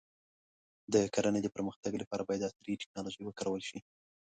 د کرنې د پرمختګ لپاره باید عصري ټکنالوژي وکارول شي.